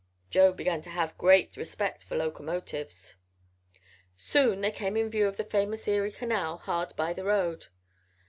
Joe began to have great respect for locomotives. Soon they came in view of the famous Erie Canal, hard by the road.